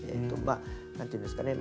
何ていうんですかね